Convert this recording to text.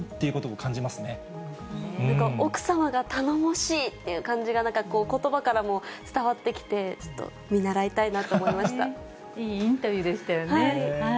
なんか奥様が頼もしいっていう感じが、ことばからも伝わってきて、ちょっと見習いたいなと思いいインタビューでしたよね。